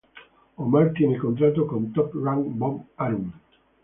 Omar tiene contrato con Top Rank Bob Arum.